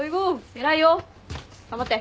偉いよ。頑張って。